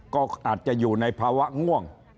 ก็อาจจะอยู่ในภาวะง่วง